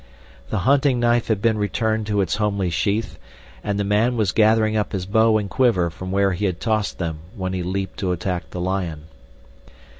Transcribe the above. The hunting knife had been returned to its homely sheath, and the man was gathering up his bow and quiver from where he had tossed them when he leaped to attack the lion.